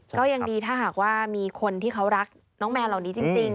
ก็ยังดีถ้าหากว่ามีคนที่เขารักน้องแมวเหล่านี้จริง